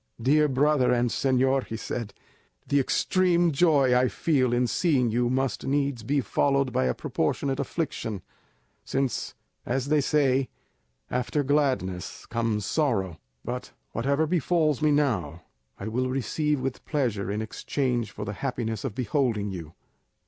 "Dear brother and señor," he said, "the extreme joy I feel in seeing you must needs be followed by a proportionate affliction, since, as they say, after gladness comes sorrow; but whatever befals me now I will receive with pleasure in exchange for the happiness of beholding you."